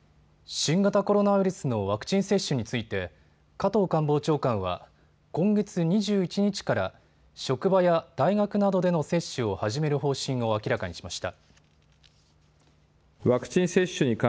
新型コロナウイルスのワクチン接種について加藤官房長官は今月２１日から職場や大学などでの接種を始める方針を明らかにしました。